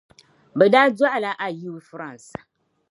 Bɛ daa dɔɣi la Ayew France.